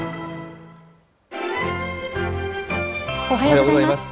おはようございます。